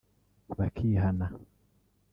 bakihana